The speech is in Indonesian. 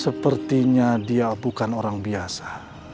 sepertinya dia bukan orang biasa